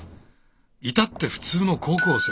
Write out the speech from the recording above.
至ってフツーの高校生。